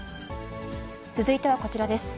続いてはこちらです。